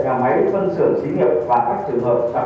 và nhà máy phân sửa xí nghiệp và hoạt động tình thường